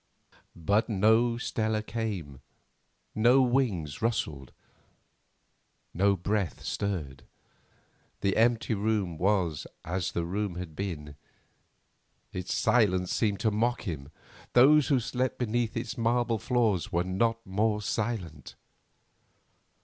But no Stella came; no wings rustled, no breath stirred; the empty room was as the room had been. Its silence seemed to mock him. Those who slept beneath its marble floor were not more silent.